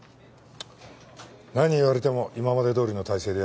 何を言われても今までどおりの態勢でやれ。